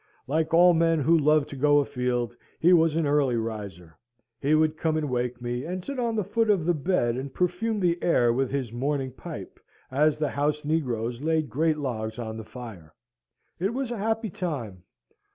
Like all men who love to go a field, he was an early riser: he would come and wake me, and sit on the foot of the bed and perfume the air with his morning pipe, as the house negroes laid great logs on the fire. It was a happy time!